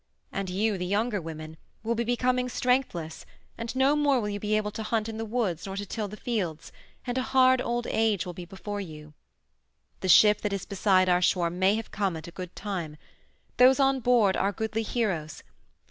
And you, the younger women, will be becoming strengthless, and no more will be you able to hunt in the woods nor to till the fields, and a hard old age will be before you. "The ship that is beside our shore may have come at a good time. Those on board are goodly heroes.